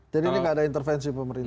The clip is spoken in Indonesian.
jadi ini nggak ada intervensi pemerintah